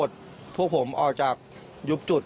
เยี่ยมมากครับ